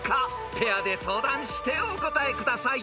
［ペアで相談してお答えください］